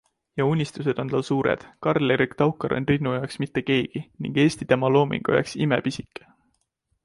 Ja unistused on tal suured, Karl-Erik Taukar on Triinu jaoks mitte keegi ning Eesti tema loomingu jaoks imepisike.